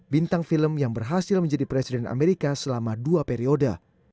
bintang film yang berhasil menjadi presiden amerika selama dua periode